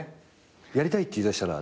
やりたいって言いだしたら。